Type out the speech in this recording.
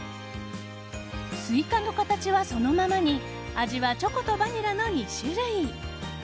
スイカの形はそのままに味はチョコとバニラの２種類。